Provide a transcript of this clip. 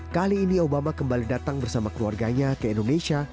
kali ini obama kembali datang bersama keluarganya ke indonesia